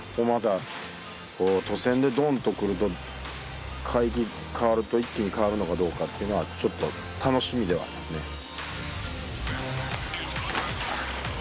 またこう渡船でドンと来ると海域かわると一気にかわるのかどうかっていうのはちょっと楽しみではありますね